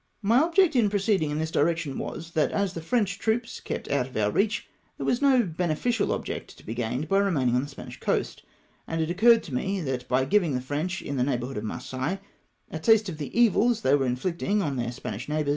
My object in proceeding in this du^ection was, that as the French troops kept out of our reach, there was no beneficial object to be gained by remaining on the Spanish coast ; and it occurred to me, that by giving the French, in the neighbourhood of MarseiUes, a taste of the evils they were inflicting on their Spanish neigh 270 CHASE TWO VESSELS.